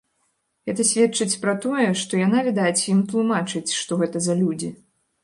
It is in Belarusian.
Гэта сведчыць пра тое, што яна, відаць, ім тлумачыць, што гэта за людзі.